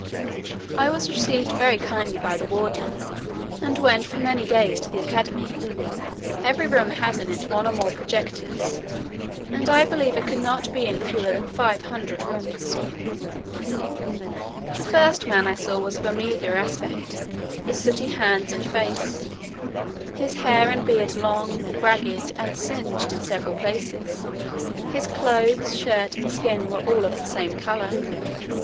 I was received very kindly by the warden, and went for many days to the academy. Every room has in it one or more projectors; and I believe I could not be in fewer than five hundred rooms. The first man I saw was of a meagre aspect, with sooty hands and face, his hair and beard long, ragged, and singed in several places. His clothes, shirt, and skin, were all of the same colour.